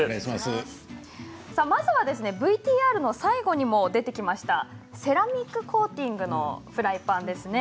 ＶＴＲの最後にも出てきましたセラミックコーティングのフライパンですね。